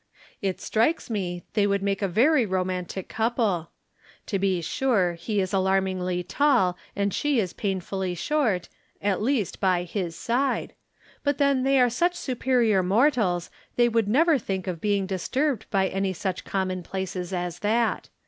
It strikes me they would make a very romantic couple. To be sure he is alarmingly tall and she is painfully short, at least by his side ; but then they are such superior mortals they would never think of being dis turbed by any such commonplaces as that.